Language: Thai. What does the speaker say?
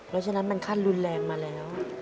เพราะฉะนั้นมันขั้นรุนแรงมาแล้ว